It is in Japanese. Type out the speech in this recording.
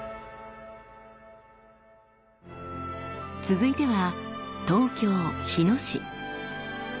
続いては東京日野市。